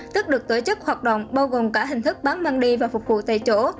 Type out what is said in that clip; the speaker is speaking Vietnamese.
tức được tổ chức hoạt động bao gồm cả hình thức bán măng đi và phục vụ tại chỗ